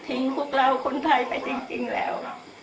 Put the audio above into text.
พวกเราคนไทยไปจริงแล้ว